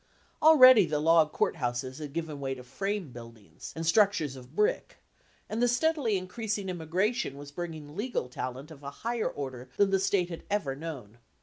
Already the log court houses had given way to frame buildings 1 and structures of brick, and the steadily increasing immigration was bringing legal talent of a higher order than the State had ever known.